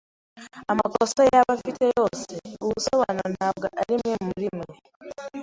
Amakosa yaba afite yose, ubusobanuro ntabwo arimwe murimwe.